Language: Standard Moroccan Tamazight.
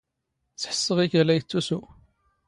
ⵙⵃⵙⵙⵖ ⵉ ⴽⴰ ⵍⴰ ⵉⵜⵜⵓⵙⵓ.